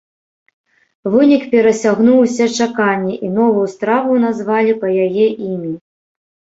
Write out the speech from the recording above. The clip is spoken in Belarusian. Вынік перасягнуў усе чаканні, і новую страву назвалі па яе імі.